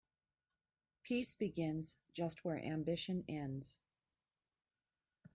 Peace begins just where ambition ends.